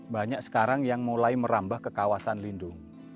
banyak sekarang yang mulai merambah ke kawasan lindung